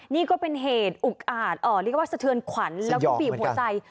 นี่ก็เป็นเหตุอุกอาจเรียกว่าสะเทือนขวัญแล้วก็บีบหัวใจ